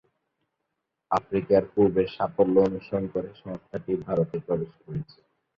আফ্রিকার পূর্বের সাফল্য অনুসরণ করে সংস্থাটি ভারতে প্রবেশ করেছে।